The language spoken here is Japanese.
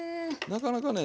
なかなかね